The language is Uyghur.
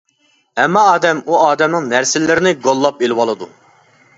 ھەممە ئادەم ئۇ ئادەمنىڭ نەرسىلىرىنى گوللاپ ئېلىۋالىدۇ.